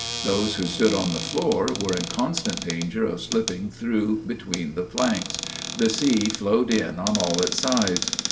Those who stood on the floor were in constant danger of slipping through between the planks; the sea flowed in on all its sides.